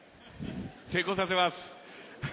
成功させます。